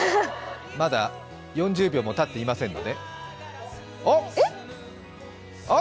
まだ４０秒もたっていませんがおっ！あっ？